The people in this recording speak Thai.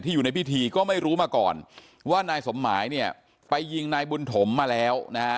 อยู่ในพิธีก็ไม่รู้มาก่อนว่านายสมหมายเนี่ยไปยิงนายบุญถมมาแล้วนะฮะ